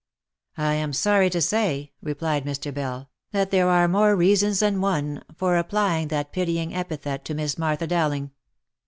" I am sorry to say," replied Mr. Bell, " that there are more reasons than one, for applying that pitying epithet to Miss Martha Dowling.